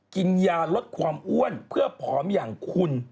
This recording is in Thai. กินยาลดความอ้วนเพื่อผอมอย่างคุณ